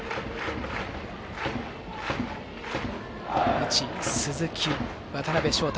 内、鈴木、渡辺翔太